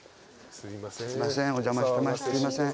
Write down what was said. すいません。